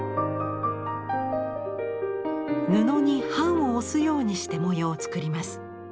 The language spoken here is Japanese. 布に版を押すようにして模様を作ります。